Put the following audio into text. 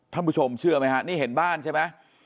ท่านผู้ชมเชื่อไหมฮะนี่เห็นบ้านใช่ไหม